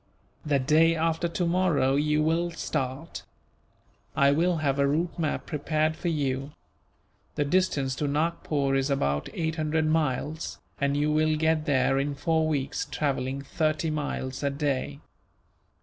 "The day after tomorrow you will start. I will have a route map prepared for you. The distance to Nagpore is about eight hundred miles, and you will get there in four weeks, travelling thirty miles a day.